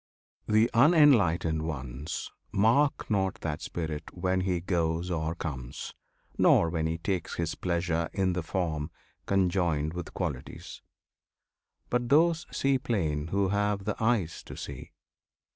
The unenlightened ones Mark not that Spirit when he goes or comes, Nor when he takes his pleasure in the form, Conjoined with qualities; but those see plain Who have the eyes to see.